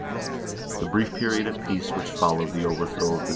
The brief period of peace which followed the overthrow of the 1 Quoted by P.